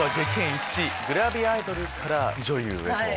１「グラビアアイドルから女優へ」と。